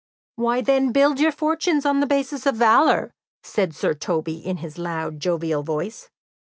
"Why, then, build your fortunes on the basis of valour," said Sir Toby in his loud, jovial voice.